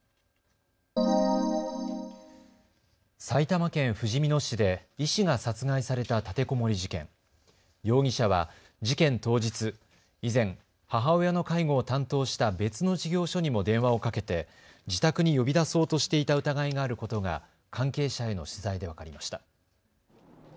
埼玉県ふじみ野市で医師が殺害された立てこもり事件、容疑者は事件当日、以前、母親の介護を担当した別の事業所にも電話をかけて自宅に呼び出そうとしていた疑いがあることが関係者への取材で分かりました。